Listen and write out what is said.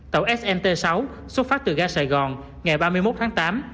tàu snt sáu xuất phát từ ga sài gòn ngày ba mươi một tháng tám